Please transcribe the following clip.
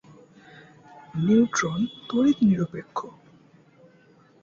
Neutron তড়িৎ নিরপেক্ষ।